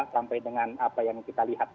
sampai dengan apa yang kita lihat